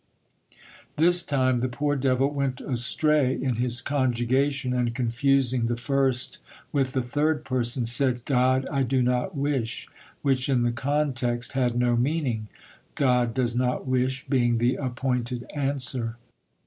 This time the poor devil went astray in his conjugation, and confusing the first with the third person, said, "God, I do not wish," which in the context had no meaning. "God does not wish," being the appointed answer.